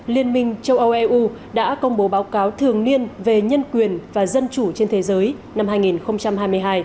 liên minh châu âu eu đã công bố báo cáo thường niên về nhân quyền và dân chủ trên thế giới năm hai nghìn hai mươi hai